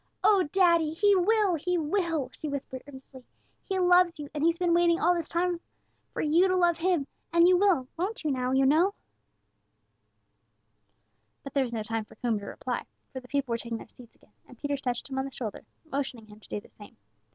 "Oh, daddy, He will! He will!" she whispered, earnestly; "He loves you, and He's been waiting all this long time for you to love Him; and you will, won't you, now, you know?" But there was no time for Coomber to reply, for the people were taking their seats again, and Peters touched him on the shoulder, motioning him to do the same.